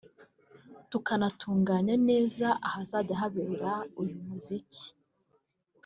tukanatunganya neza ahazajya habera uyu muziki